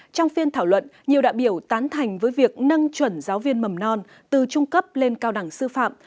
trong phiên thảo luận nhiều đại biểu tán thành với việc nâng chuẩn giáo viên mầm non từ trung cấp lên cao đẳng sư phạm